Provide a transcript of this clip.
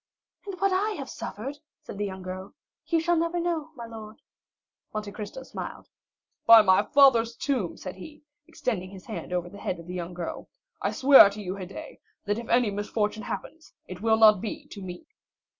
"And what I have suffered," said the young girl, "you shall never know, my lord." Monte Cristo smiled. "By my father's tomb," said he, extending his hand over the head of the young girl, "I swear to you, Haydée, that if any misfortune happens, it will not be to me."